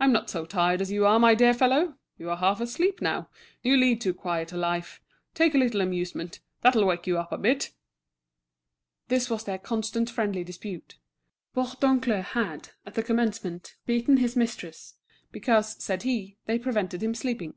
"I'm not so tired as you are, my dear fellow. You are half asleep now, you lead too quiet a life. Take a little amusement, that'll wake you up a bit." This was their constant friendly dispute. Bourdoncle had, at the commencement, beaten his mistresses, because, said he, they prevented him sleeping.